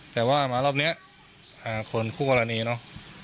แต่ว่ามารอบนี้คนคู่กรณีเนอะ